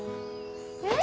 えっ？